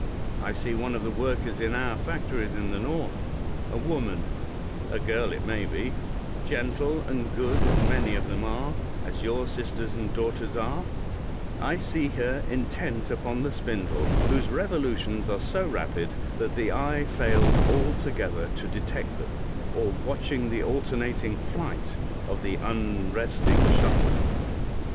I see one of the workers in our factories in the north, a woman — a girl it may be — gentle and good, as many of them are, as your sisters and daugh ters are — I see her intent upon the spindle, whose revolutions are so rapid, that the eye fails altogether to detect them, or watching the alternating flight of the unresting shuttle.